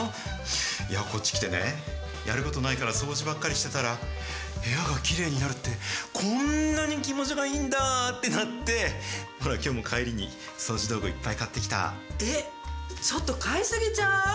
いや、こっち来てね、やることないから、掃除ばっかりしてたら、部屋がきれいになるって、こんなに気持ちがいいんだってなって、ほら、きょうも帰りに掃除道具、えっ、ちょっと、買い過ぎち